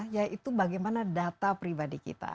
yaitu bagaimana data pribadi kita